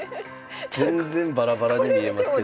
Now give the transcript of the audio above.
全然バラバラに見えますけども。